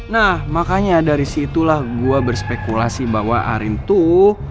nah makanya dari situlah gue berspekulasi bahwa arin tuh